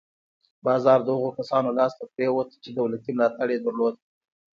بازار د هغو کسانو لاس ته پرېوت چې دولتي ملاتړ یې درلود.